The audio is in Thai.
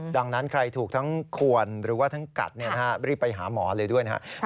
ดังนั้นใครถูกทั้งขวนหรือว่าทั้งกัดรีบไปหาหมอเลยด้วยนะครับ